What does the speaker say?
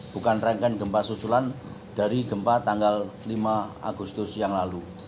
bukan rangkaian gempa susulan dari gempa tanggal lima agustus yang lalu